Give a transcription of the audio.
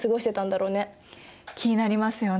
気になりますよね。